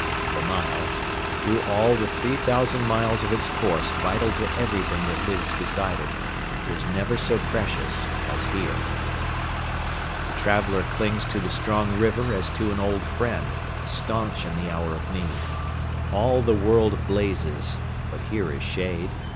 The Nile, through all the three thousand miles of its course vital to everything that lives beside it, is never so precious as here. The traveller clings to the strong river as to an old friend, staunch in the hour of need. All the world blazes, but here is shade.